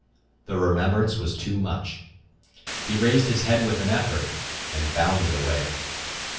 The remembrance was too much. He raised his head with an effort and bounded away.